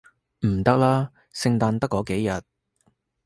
唔得啦，聖誕得嗰幾日